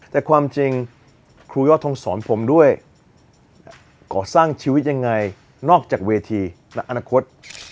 แต่ความจริงครูยอดทงสอนผมด้วยก่อสร้างชีวิตยังไงนอกจากเวทีและอนาคต